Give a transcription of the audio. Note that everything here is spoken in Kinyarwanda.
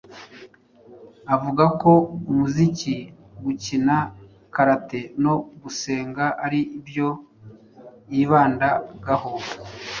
avuga ko umuziki, gukina Karate no gusenga ari byo yibandagaho,